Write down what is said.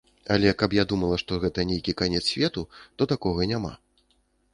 Але, каб я думала, што гэта нейкі канец свету, то такога няма.